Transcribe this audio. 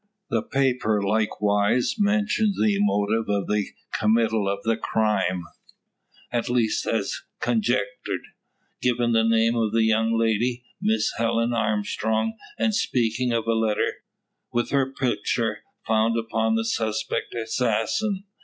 The paper likewise mentions the motive for the committal of the crime at least as conjectured; giving the name of a young lady, Miss Helen Armstrong, and speaking of a letter, with her picture, found upon the suspected assassin.